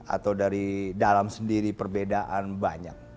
atau dari dalam sendiri perbedaan banyak